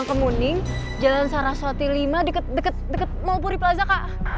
kemuning jalan saraswati lima deket deket deket deket mall puri plaza kak